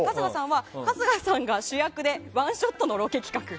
春日さんが主役でワンショットのロケ企画。